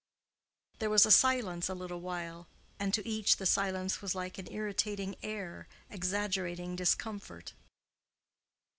There was silence a little while, and to each the silence was like an irritating air, exaggerating discomfort.